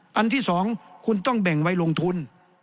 อันที่๒คุณต้องแบ่งไว้ลงทุน